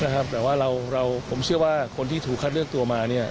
แต่ว่าเราผมเชื่อว่าคนที่ถูกคัดเลือกตัวมาเนี่ย